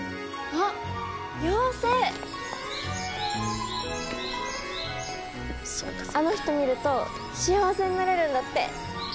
あの人見ると幸せになれるんだって。